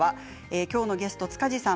きょうのゲスト、塚地さん。